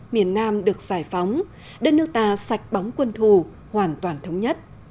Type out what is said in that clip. miền nam được giải phóng đất nước ta sạch bóng quân thù hoàn toàn thống nhất